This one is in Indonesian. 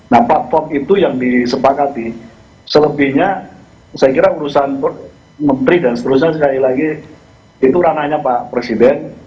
nah platform itu yang disepakati selebihnya saya kira urusan menteri dan seterusnya sekali lagi itu ranahnya pak presiden